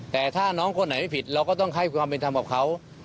แต่ถ้าน้องคนไหนไม่ผิดเราก็ต้องให้ความเป็นธรรมกับเขา